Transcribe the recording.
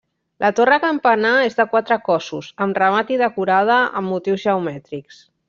La torre campanar és de quatre cossos amb remat i decorada amb motius geomètrics.